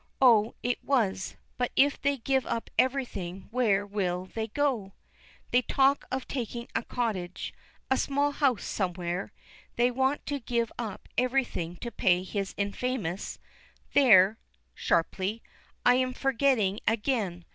"Oh, it was. But if they give up everything where will they go?" "They talk of taking a cottage a small house somewhere. They want to give up everything to pay his infamous There!" sharply, "I am forgetting again!